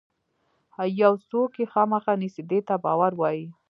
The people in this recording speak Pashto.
یو څوک یې خامخا نیسي دې ته باور وایي.